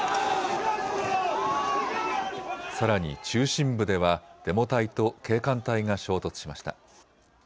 さらに中心部ではデモ隊と警官隊が衝突しました。